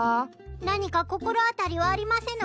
何か心当たりはありませぬか？